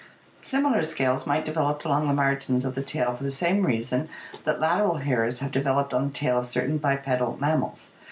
Similar scales might develop along the margins of the tail for the same reason that lateral hairs have developed on the tail of certain bipedal mammals (jerboa, see Fig.